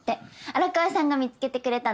荒川さんが見つけてくれたの。